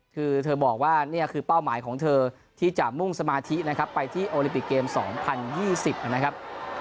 คือเธอบอกว่านี่คือเป้าหมายของเธอที่จะมุ่งสมาธินะครับไปที่โอลิปิกเกม๒๐๒๐นะครับ